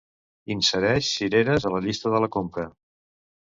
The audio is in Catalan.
Insereix cireres a la llista de la compra.